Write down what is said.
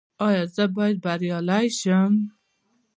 ایا زه باید بریالی شم؟